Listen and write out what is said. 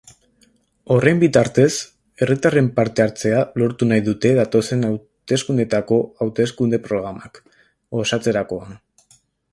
Horren bitartez, herritarren parte hartzea lortu nahi dute datozen hauteskundeetako hauteskunde-programak osatzerakoan.